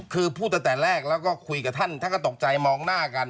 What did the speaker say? คือพูดตั้งแต่แรกแล้วก็คุยกับท่านท่านก็ตกใจมองหน้ากัน